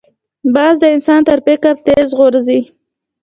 باز د انسان تر فکر تېز غورځي